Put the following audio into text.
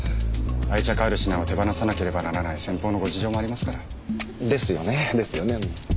愛着ある品を手放さなければならない先方のご事情もありますから。ですよね。ですよねうん。